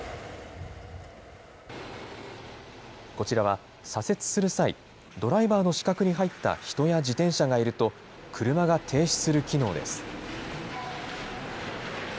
こちらは左折する際、ドライバーの死角に入った人や自転車がいると、車が停止する機能です。